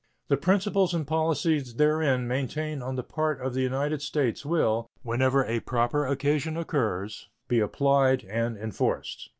The principles and policy therein maintained on the part of the United States will, whenever a proper occasion occurs, be applied and enforced.